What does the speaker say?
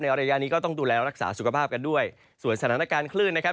ระยะนี้ก็ต้องดูแลรักษาสุขภาพกันด้วยส่วนสถานการณ์คลื่นนะครับ